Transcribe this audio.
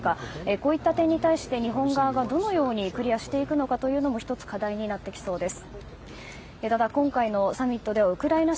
こういった点に対して日本側がどのようにクリアしていくかも１つ課題になっていきそうです。